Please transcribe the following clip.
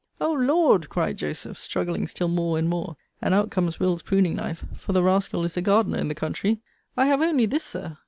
O Lord, cried Joseph, struggling still more and more: and out comes Will.'s pruning knife; for the rascal is a gardener in the country. I have only this, Sir.